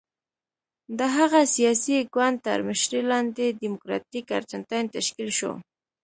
د هغه سیاسي ګوند تر مشرۍ لاندې ډیموکراتیک ارجنټاین تشکیل شو.